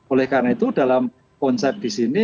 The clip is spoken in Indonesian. oleh karena itu dalam konsep disini